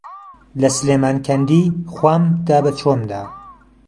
له سلێمانکهندی خوهم دا به چۆمدا